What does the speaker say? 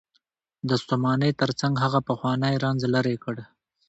د ستومانۍ تر څنګ هغه پخوانی رنځ لرې کړ.